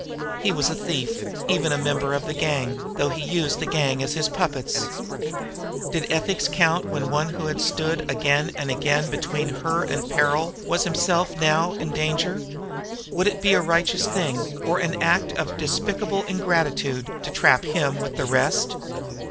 He was a thief, even a member of the gang though he used the gang as his puppets. Did ethics count when one who had stood again and again between her and peril was himself in danger now? Would it be a righteous thing, or an act of despicable ingratitude, to trap him with the rest?